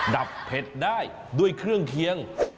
ดับเผ็ดได้ด้วยเครื่องเคียง